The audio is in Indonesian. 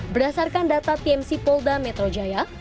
berdasarkan data tmc polda metro jaya